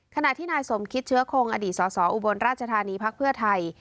ขณะที่นายสมคิตเชื้อคงอดีตสออุบลราชธานีพักเพื่อไทย